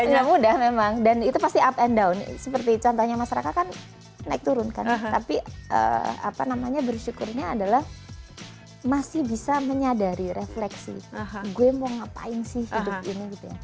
tidak mudah memang dan itu pasti up and down seperti contohnya masyarakat kan naik turun kan tapi apa namanya bersyukurnya adalah masih bisa menyadari refleksi gue mau ngapain sih hidup ini gitu ya